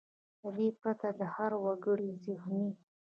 له دې پرته د هر وګړي زهني .